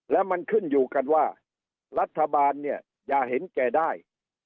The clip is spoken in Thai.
แล้วมันขึ้นอยู่กันว่ารัฐบาลเนี่ยอย่าเห็นแก่ได้